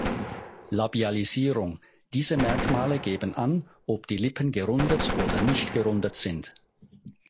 Labialisierung: Diese Merkmale geben an, ob die Lippen gerundet oder nicht gerundet sind.